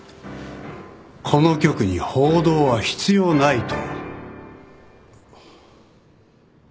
この局に報道は必要ないと。